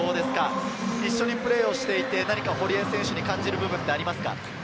一緒にプレーをしていて、堀江選手に感じることはありますか？